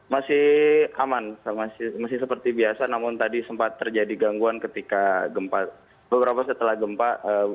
masih aman masih seperti biasa namun tadi sempat terjadi gangguan ketika gempa beberapa setelah gempa